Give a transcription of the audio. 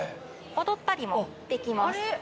踊ったりもできます。